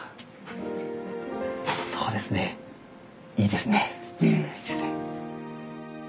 そうですねいいですね大自然。